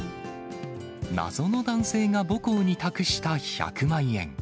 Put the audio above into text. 謎の男性が母校に託した１００万円。